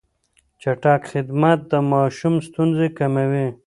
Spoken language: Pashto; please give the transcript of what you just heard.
چټک خدمت د ماشوم ستونزې کموي.